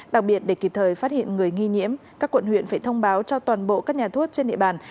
đặc biệt để kịp thời phát hiện người nghi nhiễm các quận huyện phải thông báo cho toàn bộ các nhà thuốc trên địa bàn